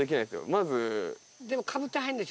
まず。